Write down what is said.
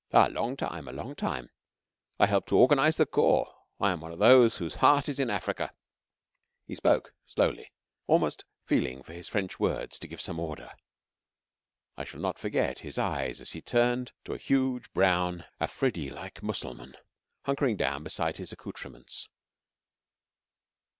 "A long time a long time. I helped to organize the corps. I am one of those whose heart is in Africa." He spoke slowly, almost feeling for his French words, and gave some order. I shall not forget his eyes as he turned to a huge, brown, Afreedee like Mussulman hunkering down beside his accoutrements.